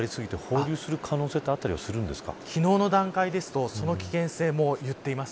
ダムの水位が上がり過ぎて放流する可能性はあったりするんですか。